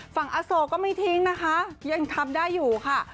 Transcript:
อโศกก็ไม่ทิ้งนะคะยังทำได้อยู่ค่ะ